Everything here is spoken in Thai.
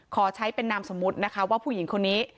ขอใช้เป็นนามสมมุตินะคะว่าผู้หญิงคนนี้